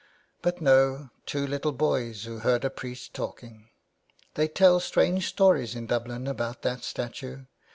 But no, two little boys who heard a priest talking. They tell strange stories in Dublin about that statue.